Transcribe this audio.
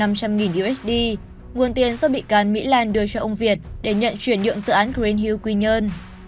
và một triệu usd nguồn tiền do bị can mỹ lan đưa cho ông việt để nhận chuyển nhượng dự án greenhill quy nhơn